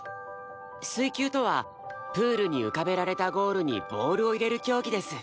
水球とはプールに浮かべられたゴールにボールを入れる競技です。